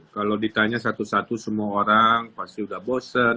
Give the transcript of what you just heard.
kalau ditanya satu satu semua orang pasti udah bosan